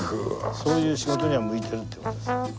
そういう仕事には向いてるって事です。